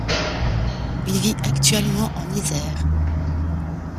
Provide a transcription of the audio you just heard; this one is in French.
Il vit actuellement en Isère.